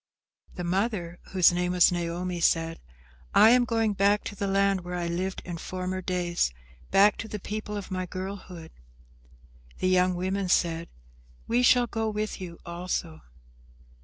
The mother, whose name was Naomi, said, "I am going back to the land where I lived in former days, back to the people of my girlhood." The young women said, "We shall go with you also."